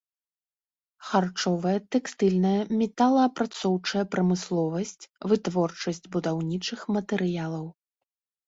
Харчовая, тэкстыльная металаапрацоўчая прамысловасць, вытворчасць будаўнічых матэрыялаў.